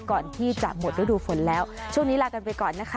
ก่อนที่จะหมดฤดูฝนแล้วช่วงนี้ลากันไปก่อนนะคะ